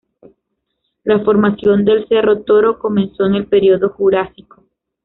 La formación del Cerro Toro comenzó en el período jurásico.